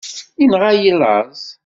Yenɣa-yi laẓ.